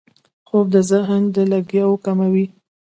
خوب د ذهن لګیاوي کموي